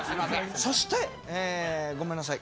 そしてごめんなさい。